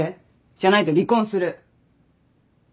じゃないと離婚する！